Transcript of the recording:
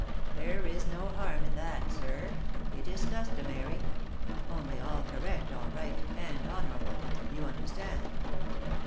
"There is no harm in that, sir, it is customary; only all correct, all right and honourable, you understand.